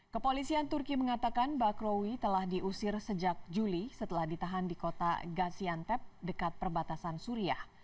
kepolisian turki mengatakan bakrowi telah diusir sejak juli setelah ditahan di kota gasiantep dekat perbatasan suriah